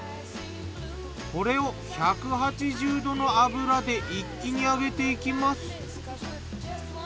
これを１８０℃の油で一気に揚げていきます。